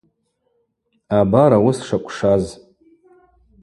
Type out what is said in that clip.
Абар ауыс шакӏвшаз.